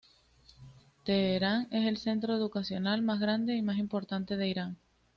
Teherán es el centro educacional más grande y más importante de Irán.